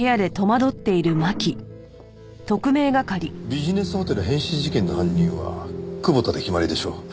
ビジネスホテル変死事件の犯人は久保田で決まりでしょう。